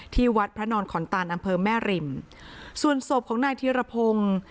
ที่วัดพระนอนขอนตานอำเภอแม่ริมส่วนศพของนายธีรพงศ์